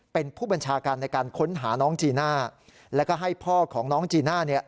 เป็นผู้บัญชาการในการค้นหาน้องจีน่าแล้วก็ให้พ่อของน้องจีน่าเนี่ย